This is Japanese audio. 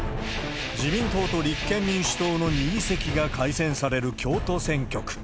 自民党と立憲民主党の２議席が改選される京都選挙区。